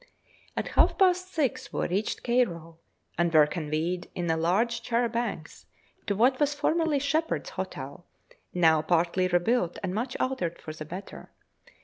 At half past six we reached Cairo, and were conveyed in a large char à bancs to what was formerly Shepherd's Hotel, now partly rebuilt and much altered for the better.